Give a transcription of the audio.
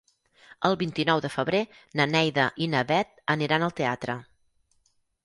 El vint-i-nou de febrer na Neida i na Bet aniran al teatre.